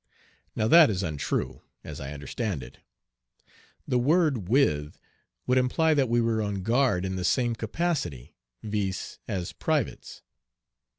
Now that is untrue, as I understand it. The word "with" would imply that we were on guard in the same capacity, viz., as privates.